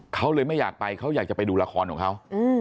เขาเลยไม่อยากไปเขาอยากจะไปดูละครของเขา